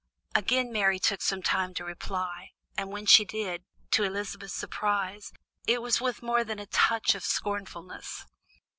Again Mary took some time to reply, and when she did, to Elizabeth's surprise, it was with more than a touch of scornfulness.